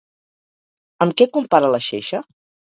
Amb què compara la xeixa?